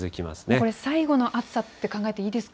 これ、最後の暑さって考えていいですか。